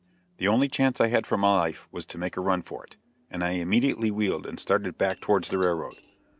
The only chance I had for my life was to make a run for it, and I immediately wheeled and started back towards the railroad.